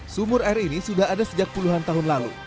sumur air ini sudah ada sejak puluhan tahun lalu